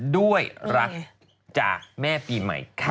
ด้วยรักจากแม่ปีใหม่ค่ะ